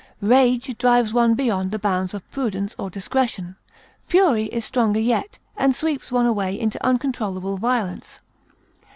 Rage drives one beyond the bounds of prudence or discretion; fury is stronger yet, and sweeps one away into uncontrollable violence.